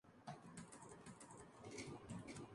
Juntos trabajaron en varios álbumes.